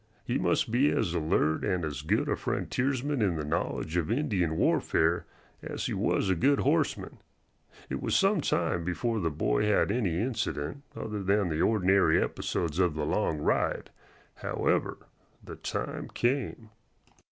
He must be as alert and as good a frontiersman in the knowledge of Indian warfare as he was a good horseman. It was some time before the boy had any incident other than the ordinary episodes of the long ride. However, the time came.